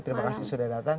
terima kasih sudah datang